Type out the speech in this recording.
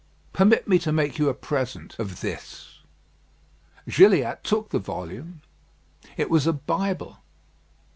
"Permit me to make you a present of this." Gilliatt took the volume. It was a Bible.